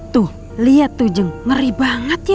tuh lihat tuh jeng ngeri banget ya